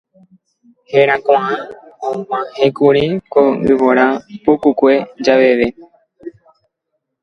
Herakuã og̃uahẽkuri ko yvóra pukukue javeve.